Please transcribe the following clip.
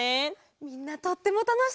みんなとってもたのしそうだね！